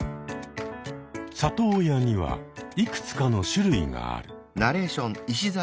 里親にはいくつかの種類がある。